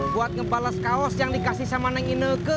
buat ngebalas kaos yang dikasih sama neng inege